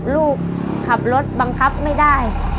ลูกขับรถบังคับไม่ได้